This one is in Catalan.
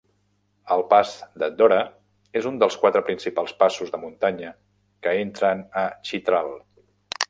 El pas de Dorah és un dels quatre principals passos de muntanya que entren a Chitral.